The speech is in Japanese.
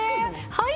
はい。